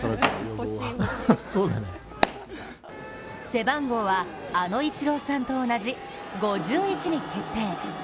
背番号は、あのイチローさんと同じ５１に決定。